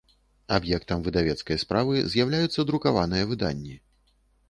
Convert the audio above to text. Аб’ектам выдавецкай справы з’яўляюцца друкаваныя выданнi.